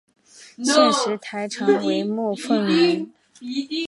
现时台长为莫凤仪。